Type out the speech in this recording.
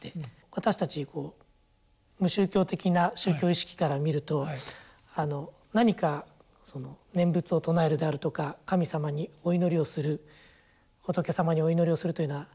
私たち無宗教的な宗教意識から見ると何か念仏を称えるであるとか神様にお祈りをする仏様にお祈りをするというような。